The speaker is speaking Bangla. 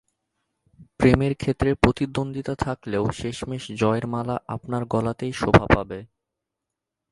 প্রেমের ক্ষেত্রে প্রতিদ্বন্দ্বিতা থাকলেও শেষমেশ জয়ের মালা আপনার গলাতেই শোভা পাবে।